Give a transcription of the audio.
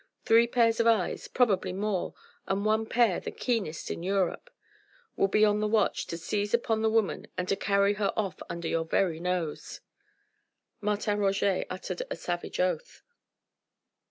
Three pairs of eyes probably more, and one pair the keenest in Europe will be on the watch to seize upon the woman and to carry her off under your very nose." Martin Roget uttered a savage oath.